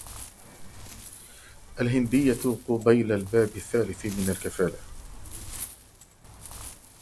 الْهِنْدِيَّةُ قُبَيْلَ الْبَابِ الثَّالِثِ مِنْ الْكَفَالَةِ